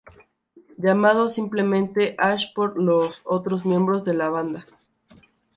Llamado simplemente Ash por los otros miembros de la banda.